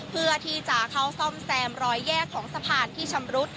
เพื่อที่จะเข้าซ่อมแซมรอยแยกของสะพานที่ชำรุด